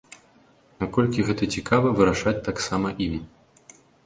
Наколькі гэта цікава, вырашаць таксама ім.